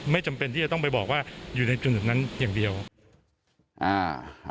จำเป็นที่จะต้องไปบอกว่าอยู่ในจุดนั้นอย่างเดียวอ่า